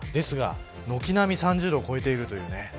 軒並み３０度を超えているという。